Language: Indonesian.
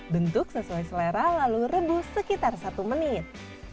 bentuk sesuai selera lalu rebus sekitar satu menit